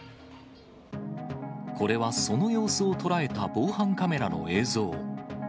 これはその様子を捉えた防犯カメラの映像。